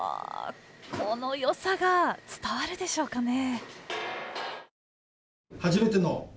あー、このよさが伝わるでしょうかね。